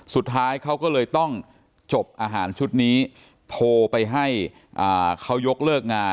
สุดท้ายเขาก็เลยต้องจบอาหารชุดนี้โทรไปให้เขายกเลิกงาน